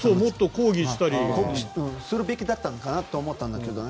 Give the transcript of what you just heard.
抗議するべきだったのかなと思ったんだけどね。